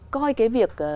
coi cái việc